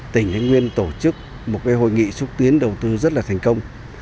tỉnh thái nguyên tổ chức một hội nghị xúc tiến đầu tư rất là thành công